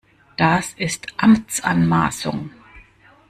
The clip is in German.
Das ist Amtsanmaßung!